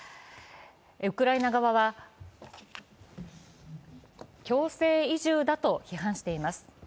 ウクライナ側は、強制移住だと批判しています。